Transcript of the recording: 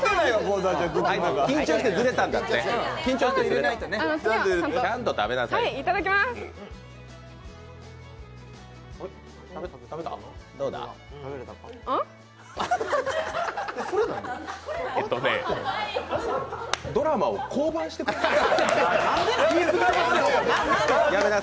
ええとね、ドラマを降板してください。